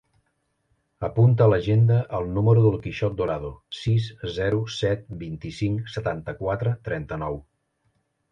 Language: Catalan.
Apunta a l'agenda el número del Quixot Dorado: sis, zero, set, vint-i-cinc, setanta-quatre, trenta-nou.